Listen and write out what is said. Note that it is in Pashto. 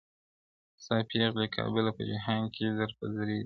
ستا پېغلي کابله په جهان کي در په دري دي-